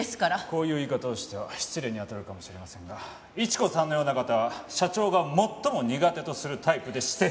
こういう言い方をしては失礼に当たるかもしれませんがイチ子さんのような方は社長が最も苦手とするタイプでして！